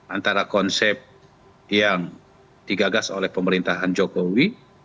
antara konsep yang digagas oleh pemerintahan jokowi